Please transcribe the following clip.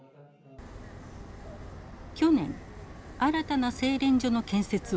去年新たな製錬所の建設を発表。